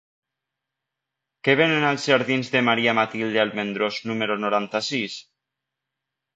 Què venen als jardins de Maria Matilde Almendros número noranta-sis?